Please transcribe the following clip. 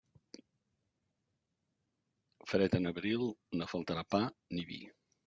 Fred en abril, no faltarà pa ni vi.